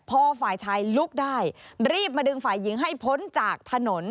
พอฝ่ายชายลุกได้รีบมาดึงฝ่ายหญิงให้พ้นจากถนน